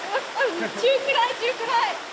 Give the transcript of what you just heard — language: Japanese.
中くらい中くらい。